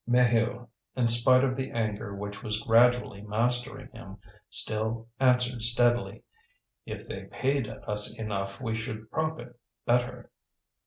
Maheu, in spite of the anger which was gradually mastering him, still answered steadily: "If they paid us enough we should prop it better."